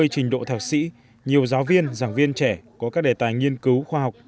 ba mươi trình độ thạc sĩ nhiều giáo viên giảng viên trẻ có các đề tài nghiên cứu khoa học